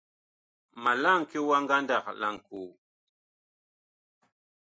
Ma laŋke wa ngandag laŋkoo.